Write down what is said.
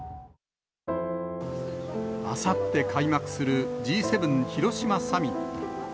あさって開幕するＧ７広島サミット。